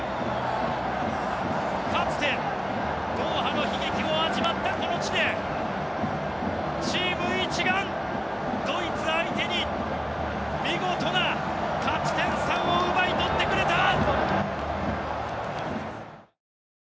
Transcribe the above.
かつてドーハの悲劇を味わったこの地でチーム一丸、ドイツ相手に見事な勝ち点３を奪い取ってくれた。